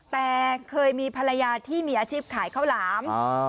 แต่เคยมีภรรยาที่มีอาชีพขายข้าวหลาม